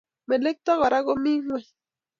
Melekto Kora ko mi ngweny